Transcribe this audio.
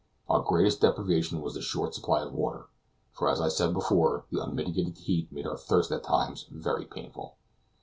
Our greatest deprivation was the short supply of water, for, as I said before, the unmitigated heat made our thirst at times very painful.